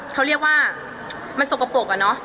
เขาเรียกว่ามันสกปรกอะเนาะ